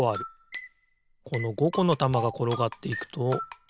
この５このたまがころがっていくとあながあるな。